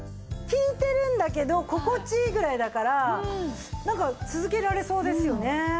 効いてるんだけど心地いいぐらいだからなんか続けられそうですよね。